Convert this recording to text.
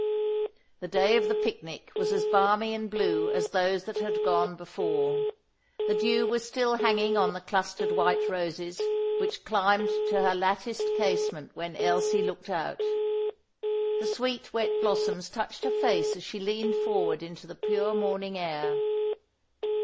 The day of the picnic was as balmy and blue as those that had gone before. The dew was still hanging on the clustered white roses which climbed to her latticed casement when Elsie looked out. The sweet, wet blossoms touched her face as she leaned forward into the pure morning air.